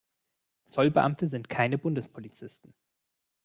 Zollbeamte sind keine Bundespolizisten.